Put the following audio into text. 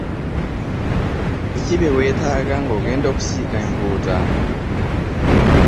Biki bye weetaaga ng'ogenda kusiika empuuta.